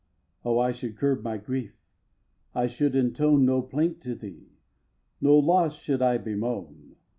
ii. Oh, I should curb my grief. I should entone No plaint to thee; no loss should I bemoan!